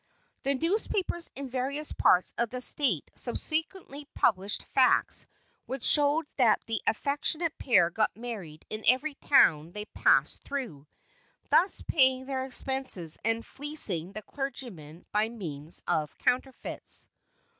The newspapers in various parts of the State subsequently published facts which showed that the affectionate pair got married in every town they passed through, thus paying their expenses and fleecing the clergymen by means of counterfeits.